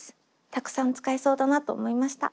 たくさん使いそうだなと思いました。